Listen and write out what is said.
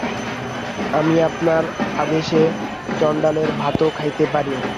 আমি আপনার আদেশে চণ্ডালের ভাতও খাইতে পারি।